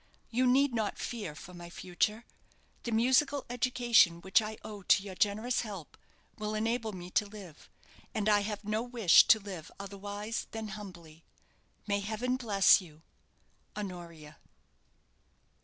You need not fear for my future. The musical education which I owe to your generous help will enable me to live; and I have no wish to live otherwise than humbly. May heaven bless you_!" HONORIA.